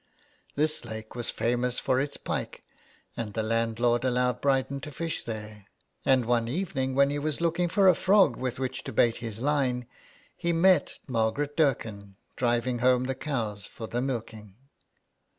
This lake was famous for its pike, and the landlord allowed Bryden to fish there, and one evening when he was looking for a frog with which to bait his line he met Margaret Dirken driving home the cows for the milking.